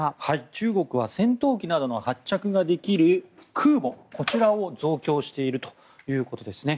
中国は戦闘機の発着ができる空母を増強しているということです。